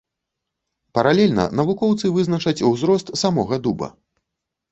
Паралельна навукоўцы вызначаць узрост самога дуба.